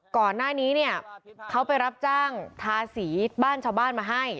ก่อนหน้านี้เนี่ยเขาไปรับจ้างทาสีบ้านชาวบ้านมาให้